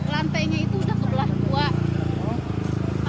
lantainya itu udah kebelah dua